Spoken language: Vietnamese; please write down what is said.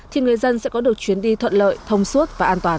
thì người dân sẽ có được chuyến đi thuận lợi thông suốt và an toàn